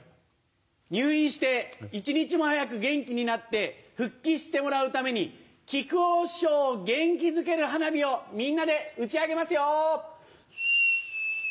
入院して一日も早く元気になって復帰してもらうために木久扇師匠を元気づける花火をみんなで打ち上げますよ。